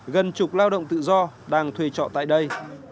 gần chục lao động tự do đang thuê trọ tại đây